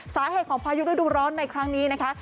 สาเหตุของพายุฤดูร้อนในครั้งนี้นะคะ